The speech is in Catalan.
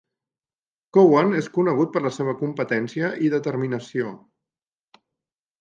Cowan és conegut per la seva competència i determinació.